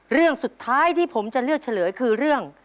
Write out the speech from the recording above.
เรื่องสุดท้ายที่ผมจะเลือกเฉลยคือเรื่อง